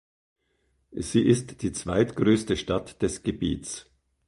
Sie ist die zweitgrößte Stadt des Gebiets.